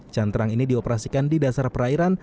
cantrang ini dioperasikan di dasar perairan